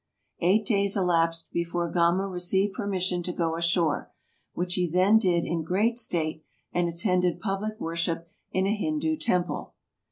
Eight days elapsed before Gama received permission to go ashore, which he then did in great state and attended public wor ship in a Hindoo temple.